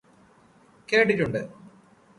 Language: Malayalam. കേട്ടിട്ടുണ്ട്